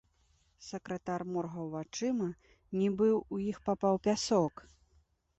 Сакратар моргаў вачыма, нібы ў іх папаў пясок.